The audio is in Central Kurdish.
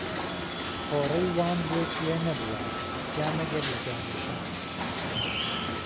هۆڕهی وام لێ گوێ نهبووه جا مهگهر له گامێشان